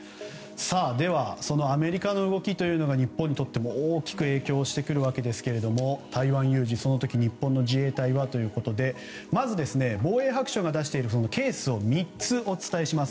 そのアメリカの動きが日本にとっても大きく影響してくるわけですが台湾有事、その時日本の自衛隊は？ということでまず防衛白書が出しているケースを３つお伝えします。